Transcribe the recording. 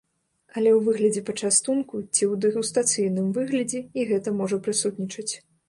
Але ў выглядзе пачастунку ці ў дэгустацыйным выглядзе і гэта можа прысутнічаць.